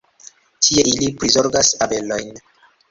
Tie, ili prizorgas abelojn.